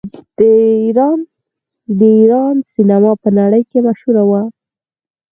د ایران سینما په نړۍ کې مشهوره ده.